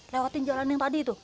lewatin jalan yang tadi itu